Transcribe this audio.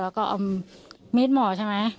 แล้วก็เอามีดหมอใช่ไหม